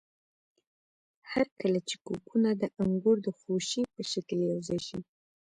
هرکله چې کوکونه د انګور د خوشې په شکل یوځای شي.